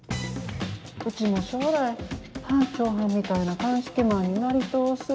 うちも将来班長はんみたいな鑑識マンになりとおす。